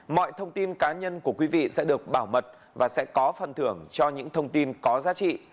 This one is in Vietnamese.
mọi thông tin cá nhân của quý vị sẽ được bảo mật và sẽ có phần thưởng cho những thông tin có giá trị